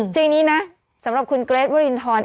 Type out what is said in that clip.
จริงนี้นะสำหรับคุณเกรทวรินทร